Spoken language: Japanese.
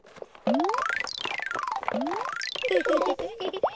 うん？